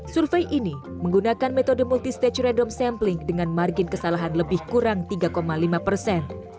survei ini menggunakan metode multistage random sampling dengan margin kesalahan lebih kurang tiga lima persen